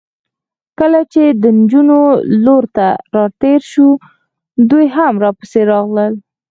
کله چې د نجونو لور ته راتېر شوو، دوی هم راپسې راغلل.